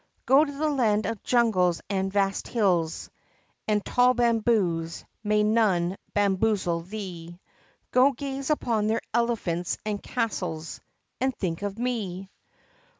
Go to the land of jungles and of vast hills, And tall bamboos may none bamboozle thee! Go gaze upon their elephants and castles, And think of me!